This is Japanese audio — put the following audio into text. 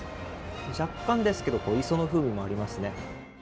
若干ですけど磯の風味もありますね。